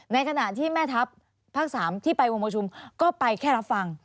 ในขณะที่แม่ทัพภาค๓ที่ไปวงประชุมก็ไปแค่รับฟัง